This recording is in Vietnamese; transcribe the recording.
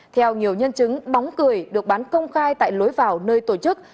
theo nhiều nhân chứng bóng cười được bán công khai tại lối vào nơi tổ chức